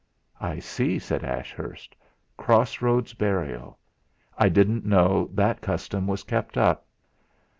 "I see!" said Ashurst. "Cross roads burial. I didn't know that custom was kept up."